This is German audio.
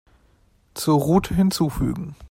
Zur Route hinzufügen.